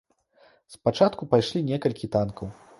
Спачатку пайшлі некалькі танкаў.